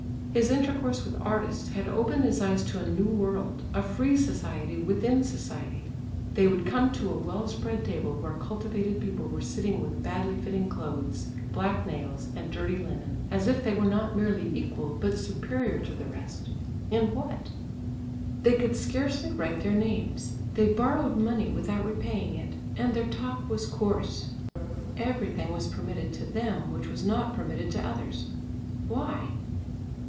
His intercourse with artists had opened his eyes to a new world, a free society within Society. They would come to a well spread table where cultivated people were sitting with badly fitting clothes, black nails, and dirty linen, as if they were not merely equal, but superior to the rest, in what? They could scarcely write their names, they borrowed money without repaying it, and their talk was coarse. Everything was permitted to them, which was not permitted to others. Why?